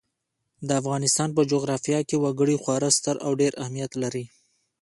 د افغانستان په جغرافیه کې وګړي خورا ستر او ډېر اهمیت لري.